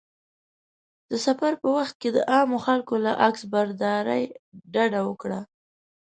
د سفر په وخت کې د عامو خلکو له عکسبرداري ډډه وکړه.